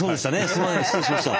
すみません失礼しました。